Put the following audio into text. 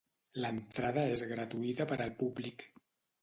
L'entrada és gratuïta per al públic.